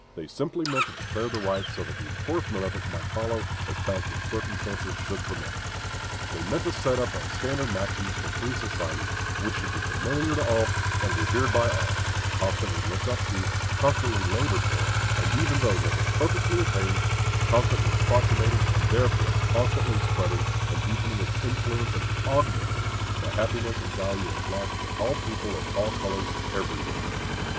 They meant simply to declare the right, so that the enforcement of it might follow as fast as circumstances should permit. They meant to set up a standard maxim for free society, which should be familiar to all, and revered by all; constantly looked to, constantly labored for, and even though never perfectly attained, constantly approximated, and thereby constantly spreading and deepening its influence and augmenting; the happiness and value of life to all people of all colors everywhere.